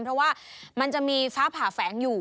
เพราะว่ามันจะมีฟ้าผ่าแฝงอยู่